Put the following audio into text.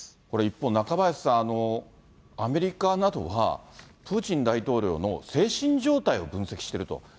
これ一方、中林さん、アメリカなどは、プーチン大統領の精神状態を分析していると。